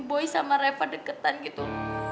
boy sama reva deketan gitu